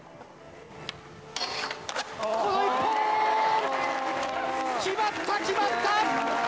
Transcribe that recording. この一本！決まった、決まった！